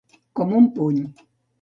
Com un puny.